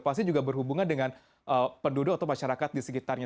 pasti juga berhubungan dengan penduduk atau masyarakat di sekitarnya